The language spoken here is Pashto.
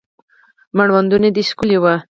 مړوندونه دې ښکلي وه